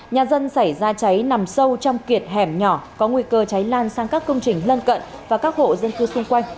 nhà dân xảy ra cháy nằm sâu trong kiệt hẻm nhỏ có nguy cơ cháy lan sang các công trình lân cận và các hộ dân cư xung quanh